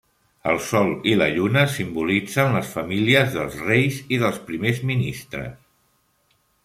El sol i la lluna simbolitzen les famílies dels reis i dels primers ministres.